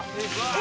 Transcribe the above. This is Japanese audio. え？